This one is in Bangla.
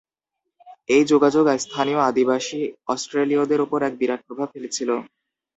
এই যোগাযোগ স্থানীয় আদিবাসী অস্ট্রেলীয়দের ওপর এক বিরাট প্রভাব ফেলেছিল।